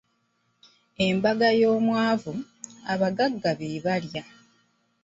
Embaga y’omwavu, abaggaga be balya.